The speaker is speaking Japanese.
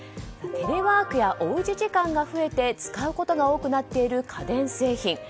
テレワークやおうち時間が増えて使うことが多くなっている家電製品。